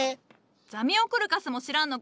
ザミオクルカスも知らんのか？